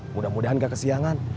mudah mudahan gak kesiangan